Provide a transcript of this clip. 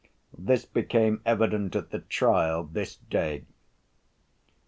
This became evident at the trial this day.